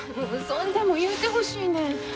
そんでも言うてほしいねん。